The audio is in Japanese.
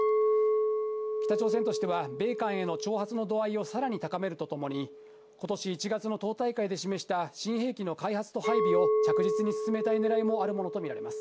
北朝鮮としては、米韓への挑発の度合いをさらに高めるとともに、ことし１月の党大会で示した新兵器の開発と配備を着実に進めたいねらいもあるものと見られます。